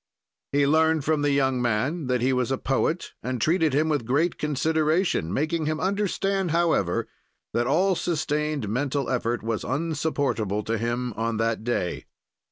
"He learned from the young man that he was a poet and treated him with great consideration, making him understand, however, that all sustained mental effort was insupportable to him on that day.